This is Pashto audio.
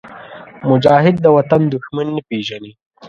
مجاهد د وطن دښمن نه پېژني.